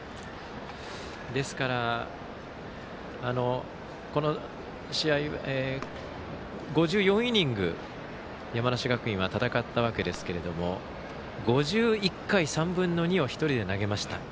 ですから、５４イニング山梨学院は戦ったわけですけれど５１回３分の２を一人で投げました。